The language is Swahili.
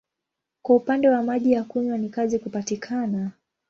Kwa upande wa maji ya kunywa ni kazi kupatikana.